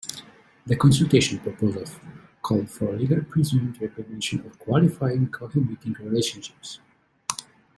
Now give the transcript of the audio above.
The consultation proposals called for legal 'presumed' recognition of "qualifying" cohabiting relationships.